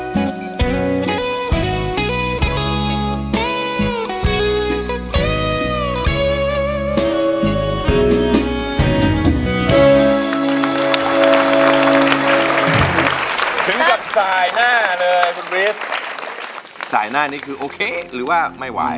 ถึงกับสายหน้าเลยคุณบริสสายหน้านี้คือโอเคหรือว่าไม่ไหว